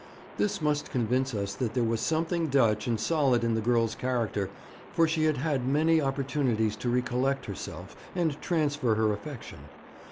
This must convince us that there was something Dutch and solid in the girl's character, for she had had many opportunities to recollect herself and transfer her affection.